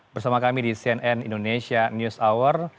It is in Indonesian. bersama kami di cnn indonesia news hour